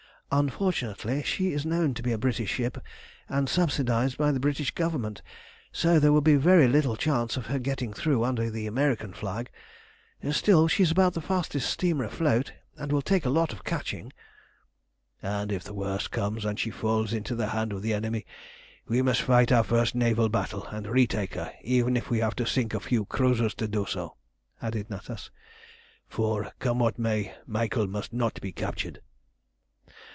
Unfortunately she is known to be a British ship and subsidised by the British Government, so there will be very little chance of her getting through under the American flag. Still she's about the fastest steamer afloat, and will take a lot of catching." "And if the worst comes and she falls into the hands of the enemy, we must fight our first naval battle and retake her, even if we have to sink a few cruisers to do so," added Natas; "for, come what may, Michael must not be captured."